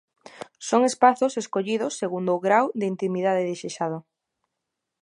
Son espazos escollidos segundo o grao de intimidade desexado.